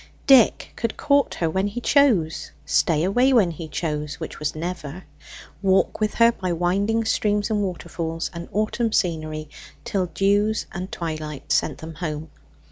Dick could court her when he chose; stay away when he chose, which was never; walk with her by winding streams and waterfalls and autumn scenery till dews and twilight sent them home.